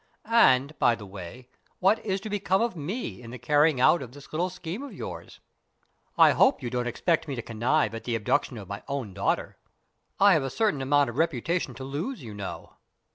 And, by the way, what is to become of me in the carrying out of this little scheme of yours? I hope you don't expect me to connive at the abduction of my own daughter. I have a certain amount of reputation to lose, you know."